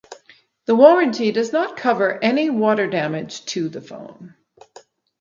The warranty does not cover any water damage to the phone.